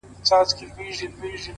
او توري څڼي به دي ـ